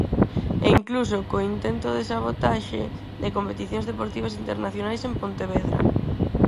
E incluso con intento de sabotaxe de competicións deportivas internacionais en Pontevedra.